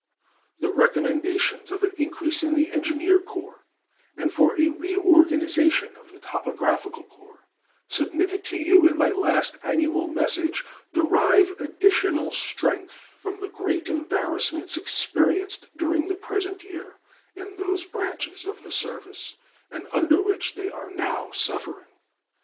The recommendations of an increase in the Engineer Corps and for a reorganization of the Topographical Corps, submitted to you in my last annual message, derive additional strength from the great embarrassments experienced during the present year in those branches of the service, and under which they are now suffering.